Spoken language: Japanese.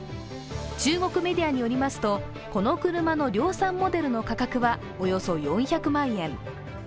中国メディアによりますと、この車の量産モデルの価格はおよそ４００万円。